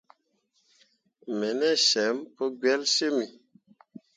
Me ne cem pu gbelsyimmi.